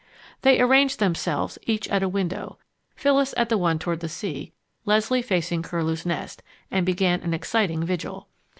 They arranged themselves, each at a window, Phyllis at the one toward the sea; Leslie facing Curlew's Nest, and began an exciting vigil.